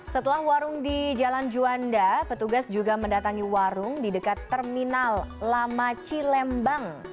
setelah warung di jalan juanda petugas juga mendatangi warung di dekat terminal lamaci lembang